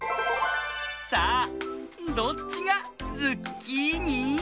さあどっちがズッキーニ？